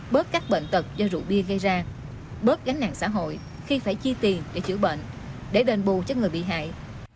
bớt các bệnh tật do rượu bia gây ra bớt gánh nặng xã hội khi phải chi tiền để chữa bệnh để đền bù cho người bị hại